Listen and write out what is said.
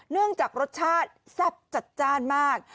เนื่องจากรสชาติแซ่บจัดจ้านมาก